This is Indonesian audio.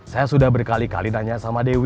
saya sudah berkali kali nanya sama dewi